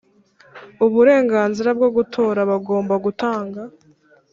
uburenganzira bwo gutora Bagomba gutanga